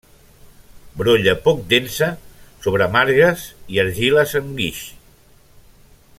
Brolla poc densa sobre margues i argiles amb guix.